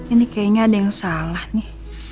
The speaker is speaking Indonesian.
ini kayaknya ada yang salah nih